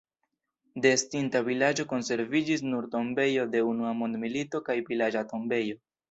De estinta vilaĝo konserviĝis nur tombejo de Unua mondmilito kaj vilaĝa tombejo.